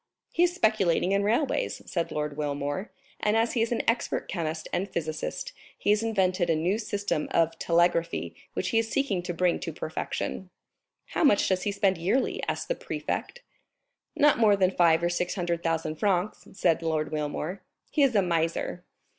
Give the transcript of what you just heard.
"He is speculating in railways," said Lord Wilmore, "and as he is an expert chemist and physicist, he has invented a new system of telegraphy, which he is seeking to bring to perfection." "How much does he spend yearly?" asked the prefect. "Not more than five or six hundred thousand francs," said Lord Wilmore; "he is a miser."